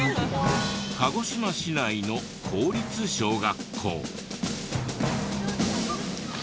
鹿児島市内の公立小学校。